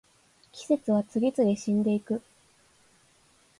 季節は次々死んでいく